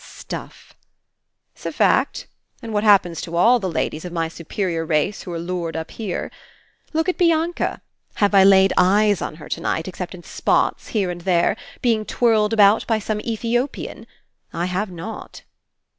''Stuff!" " 'S a fact, and what happens to all the ladles of my superior race who're lured up here. Look at Blanca. Have I laid eyes on her tonight except In spots, here and there, being twirled about by some Ethiopian? I have not."